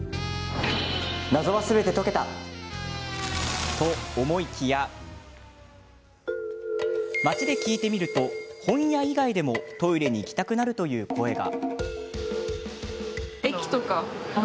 謎はすべて解けた！と、思いきや街で聞いてみると本屋以外でもトイレに行きたくなるという声が。